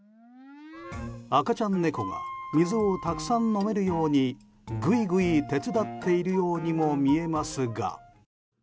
赤ちゃん猫が水をたくさん飲めるようにぐいぐい手伝っているようにも見えますが。